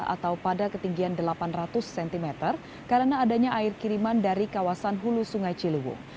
atau pada ketinggian delapan ratus cm karena adanya air kiriman dari kawasan hulu sungai ciliwung